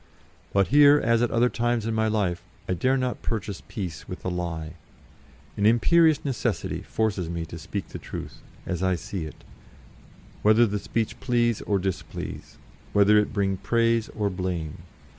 But here, as at other times in my life, I dare not purchase peace with a lie. An imperious necessity forces me to speak the truth, as I see it, whether the speech please or displease, whether it bring praise or blame.